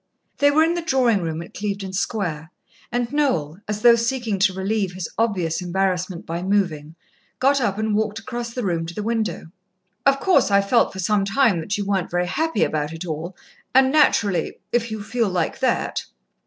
_" They were in the drawing room at Clevedon Square, and Noel, as though seeking to relieve his obvious embarrassment by moving, got up and walked across the room to the window. "Of course, I've felt for some time that you weren't very happy about it all, and naturally if you feel like that...."